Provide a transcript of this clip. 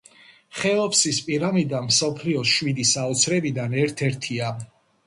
ხეოფსის პირამიდა მსოფლიოს შვიდი საოცრებიდან ერთ-ერთია.